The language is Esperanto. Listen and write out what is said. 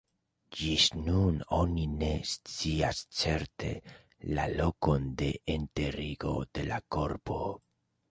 Ĝis nun oni ne scias certe la lokon de enterigo de la korpo.